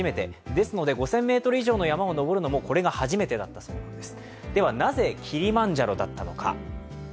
ですので５０００ｍ以上の山を登るのもこれが初めてだったそうです。